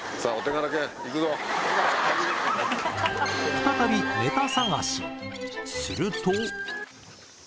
再びすると！